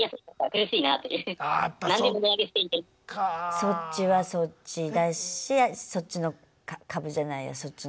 そっちはそっちだしそっちの株じゃないやそっちの。